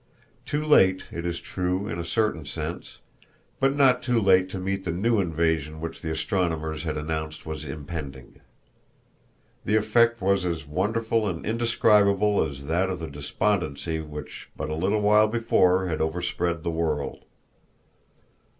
Too late, it is true, in a certain sense, but not too late to meet the new invasion which the astronomers had announced was impending. The effect was as wonderful and indescribable as that of the despondency which but a little while before had overspread the world.